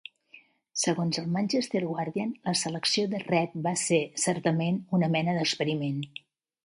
Segons el "Manchester Guardian", la selecció de Read va ser, certament, una mena d'experiment.